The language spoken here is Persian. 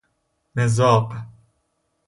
مذاق